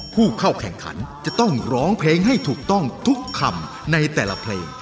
ผู้เข้าแข่งขันจะต้องร้องเพลงให้ถูกต้องทุกคำในแต่ละเพลง